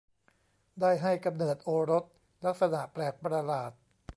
ได้ให้กำเนิดโอรสลักษณะแปลกประหลาด